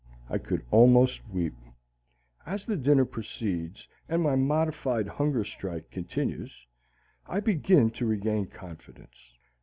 I could almost weep. As the dinner proceeds and my modified hunger strike continues, I begin to regain confidence.